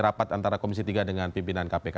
rapat antara komisi tiga dengan pimpinan kpk